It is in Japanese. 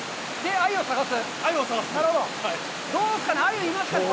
アユを探す？